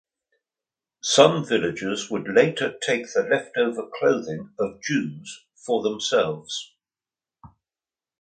Some villagers would later take the leftover clothing of Jews for themselves.